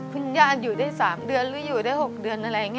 คุณย่าอยู่ได้๓เดือนหรืออยู่ได้๖เดือนอะไรอย่างนี้